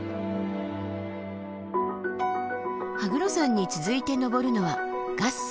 羽黒山に続いて登るのは月山。